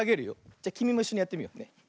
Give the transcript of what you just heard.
じゃきみもいっしょにやってみようね。